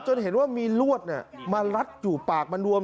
เห็นว่ามีลวดมารัดอยู่ปากมันรวม